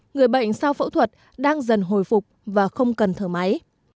người bệnh sau phẫu thuật đang dần hồi phục và không cần thở máy